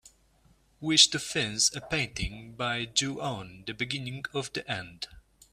Wish to fins a painting by Ju-On: The Beginning of the End